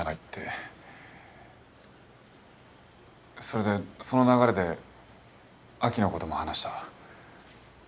それでその流れで亜紀のことも話した。